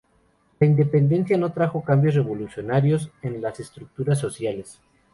La independencia no trajo cambios revolucionarios en las estructuras sociales.